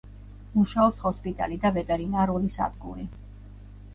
მუშაობს ჰოსპიტალი და ვეტერინარული სადგური.